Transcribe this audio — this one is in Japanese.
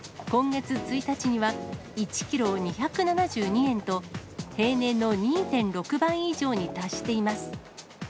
今月１日には、１キロ２７２円と、平年の２．６倍以上に達しています。